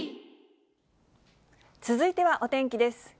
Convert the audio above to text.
続いてはお天気です。